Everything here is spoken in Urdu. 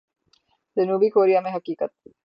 جنوبی کوریا میں حقیقت۔